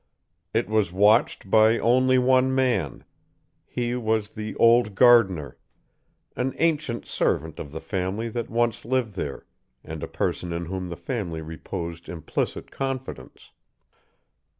It was watched only by one man. He was the old gardener, an ancient servant of the family that once lived there, and a person in whom the family reposed implicit confidence.